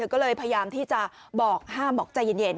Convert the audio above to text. ก็เลยพยายามที่จะบอกห้ามบอกใจเย็น